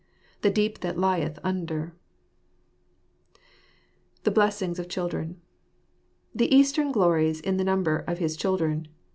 The deep that lieth under !" The Blessings of Children. — The Eastern glories in the number of his children.